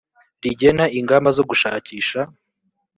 rigena ingamba zo gushakisha